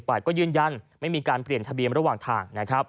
แต่ก็ยื่นยันไม่มีการเปลี่ยนทะเบียมระหว่างทาง